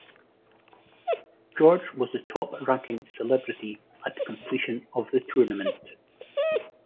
George was the top-ranking celebrity at completion of the tournament.